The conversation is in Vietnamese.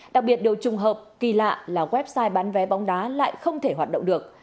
đặc biệt điều trùng hợp kỳ lạ là website bán vé bóng đá lại không thể hoạt động được